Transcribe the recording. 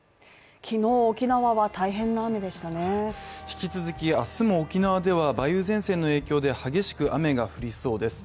引き続き明日も沖縄では梅雨前線の影響で激しく雨が降りそうです。